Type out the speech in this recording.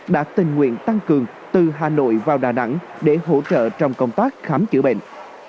đã tình nguyện tăng cường từ hà nội vào đà nẵng để hỗ trợ trong công tác khám chữa bệnh